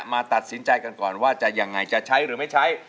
มาตัดสินใจกันก่อนว่าจะยังไงจะใช้หรือไม่ใช้